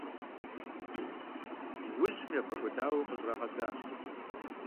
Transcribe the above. Иужьым яфӏэкӏуэдауэ къыщӏрагъэдзащ.